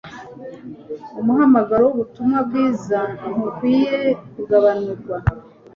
Umuhamagaro w'ubutumwa bwiza ntukwinye kugabanurwa